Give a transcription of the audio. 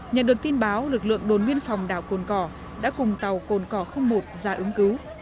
nhận được tin báo lực lượng đồn biên phòng đảo cồn cỏ đã cùng tàu cồn cỏ không một ra ứng cứu